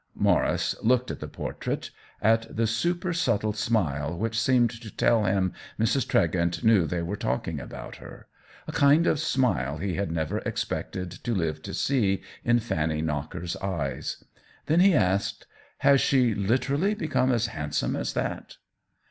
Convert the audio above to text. Maurice looked at the portrait — at the super subtle smile which seemed to tell him Mrs. Tregent knew they were talking about her; a kind of smile he had never expected to live to see in Fanny Knocker's eyes. Then he asked :Has she literally become as handsome as that